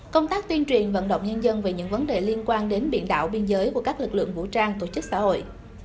công tác tuyên truyền vận động nhân dân về những vấn đề liên quan đến biển đảo biên giới của các lực lượng vũ trang tổ chức xã hội